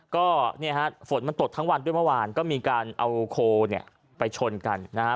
ก็เนี่ยฮะฝนมันตกทั้งวันด้วยเมื่อวานก็มีการเอาโคเนี่ยไปชนกันนะฮะ